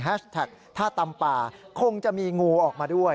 แฮชแท็กถ้าตำป่าคงจะมีงูออกมาด้วย